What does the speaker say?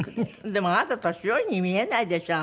でもあなた年寄りに見えないでしょ？